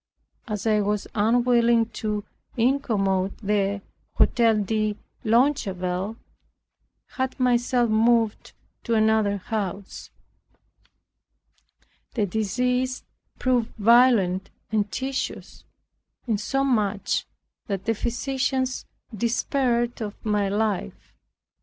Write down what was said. As I was unwilling to incommode the Hotel de Longueville I had myself moved to another house. The disease proved violent and tedious, insomuch that the physicians despaired of my life.